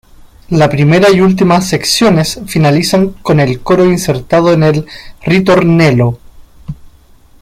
La primera y última secciones finalizan con el coro insertado en el "ritornello".